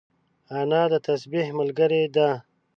انا د تسبيح ملګرې ده